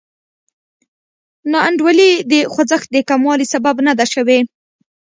ناانډولي د خوځښت د کموالي سبب نه ده شوې.